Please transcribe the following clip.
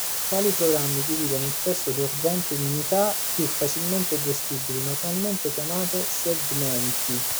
Tali programmi dividono il testo sorgente in unità più facilmente gestibili normalmente chiamate "segmenti".